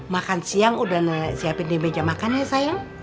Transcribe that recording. makan siang udah siapin di meja makan ya sayang